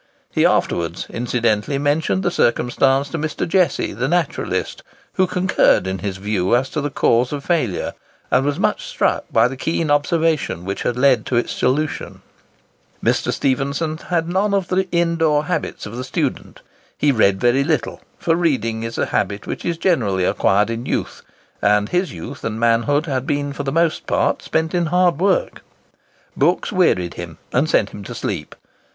He afterwards incidentally mentioned the circumstance to Mr. Jesse the naturalist, who concurred in his view as to the cause of failure, and was much struck by the keen observation which had led to its solution. Mr. Stephenson had none of the in door habits of the student. He read very little; for reading is a habit which is generally acquired in youth; and his youth and manhood had been for the most part spent in hard work. Books wearied him, and sent him to sleep.